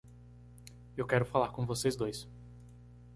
Eu quero falar com vocês dois.